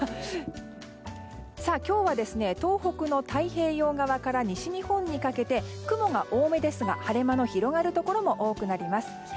今日は、東北の太平洋側から西日本にかけて雲が多めですが晴れ間の広がるところも多くなります。